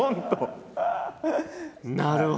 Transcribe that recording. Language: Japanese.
なるほど！